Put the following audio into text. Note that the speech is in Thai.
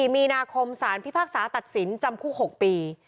มีนาคมสารพิพากษาตัดสินจำคุก๖ปี